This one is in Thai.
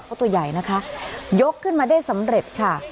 เพราะตัวใหญ่นะคะยกขึ้นมาได้สำเร็จค่ะ